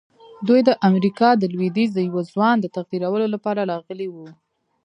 دوی د امریکا د لويديځ د یوه ځوان د تقدیرولو لپاره راغلي وو